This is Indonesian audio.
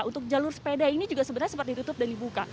untuk jalur sepeda ini juga sebenarnya sempat ditutup dan dibuka